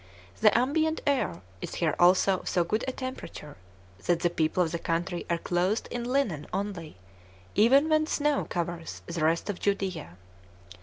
The ambient air is here also of so good a temperature, that the people of the country are clothed in linen only, even when snow covers the rest of Judea.